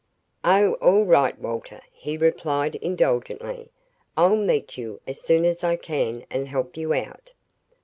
"Oh, all right, Walter," he replied indulgently. "I'll meet you as soon as I can and help you out."